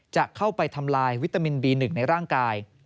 จะเข้าไปทำลายวิตามินบี๑ในร่างกาย